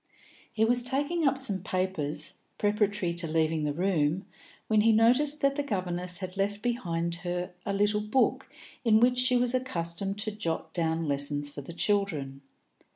He was taking up some papers, preparatory to leaving the room, when he noticed that the governess had left behind her a little book in which she was accustomed to jot down lessons for the children.